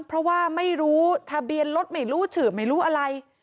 เพราะว่าไม่รู้ทะเบียนรถไม่รู้ชื่อไม่รู้อะไร